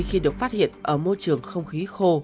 khi được phát hiện ở môi trường không khí khô